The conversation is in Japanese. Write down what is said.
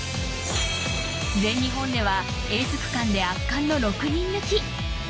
全日本ではエース区間で圧巻の６人抜き。